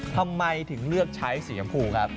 ทำไมถึงเลือกใช้สีชมพูครับ